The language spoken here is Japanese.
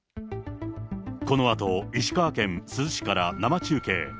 このあと、石川県珠洲市から生中継。